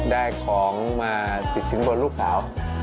ได้ของมาติดสินบนลูกสาว